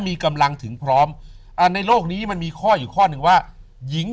มีกำลังถึงพร้อมอ่าในโลกนี้มันมีข้ออยู่ข้อหนึ่งว่าหญิง